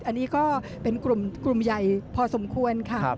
อันนี้ก็เป็นกลุ่มใหญ่พอสมควรค่ะ